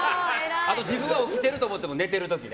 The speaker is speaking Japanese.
あと自分は起きてると思っても寝てる時ね。